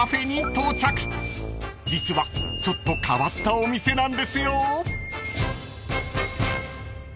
［実はちょっと変わったお店なんですよ］